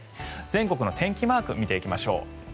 全国の天気マークを見ていきましょう。